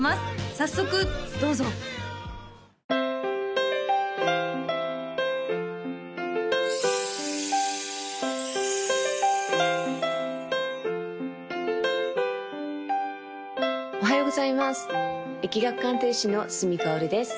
早速どうぞおはようございます易学鑑定士の角かおるです